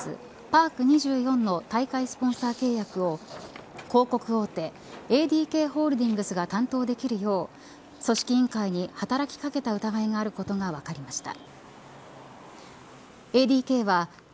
・パーク２４の大会スポンサー契約を広告大手ＡＤＫホールディングスが担当できるよう組織委員会に働きかけた疑いがあることが分かりました。